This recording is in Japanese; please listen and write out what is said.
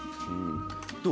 どう？